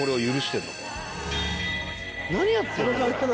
何やってるの？